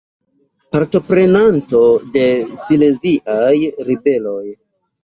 Partoprenanto de Sileziaj Ribeloj.